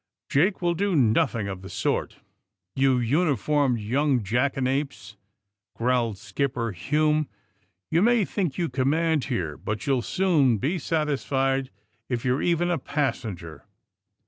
" "Jake will do nothing of the sort, you uni formed young jackanapes!" growled Skipper Hume. "You may think you command here, but you '11 soon be satisfied if you 're even a pas senger."